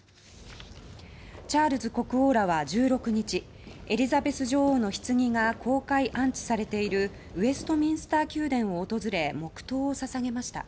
チャールズ国王らは１６日エリザベス女王のひつぎが公開安置されているウェストミンスター宮殿を訪れ黙祷を捧げました。